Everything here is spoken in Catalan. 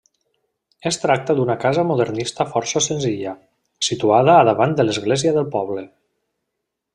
Es tracta d'una casa modernista força senzilla, situada a davant de l'església del poble.